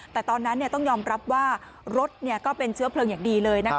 แต่ตอนนั้นต้องยอมรับว่ารถก็เป็นเชื้อเพลิงอย่างดีเลย